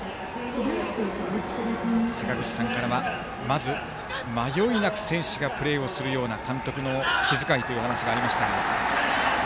坂口さんからは、まず迷いなく選手がプレーするような監督の気遣いというお話がありましたが。